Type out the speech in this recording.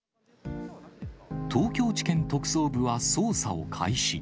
東京地検特捜部は捜査を開始。